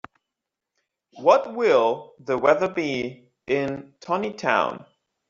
What will the weather be in Tontitown?